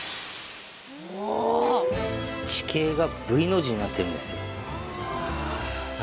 地形がＶの字になってるんですよああ